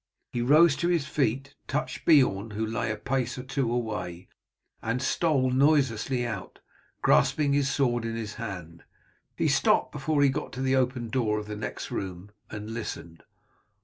He rose to his feet, touched Beorn, who lay a pace or two away, and stole noiselessly out, grasping his sword in his hand. He stopped before he got to the open door of the next room and listened.